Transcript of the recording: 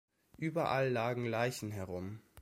Überall lagen Leichen herum.